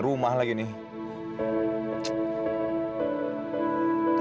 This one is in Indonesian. jarum nastinya rantai